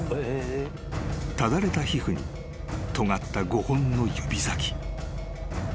［ただれた皮膚にとがった５本の指先］